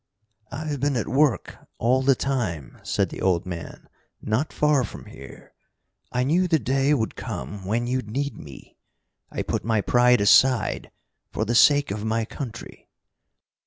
"I've been at work all the time," said the old man, "not far from here. I knew the day would come when you'd need me. I put my pride aside for the sake of my country."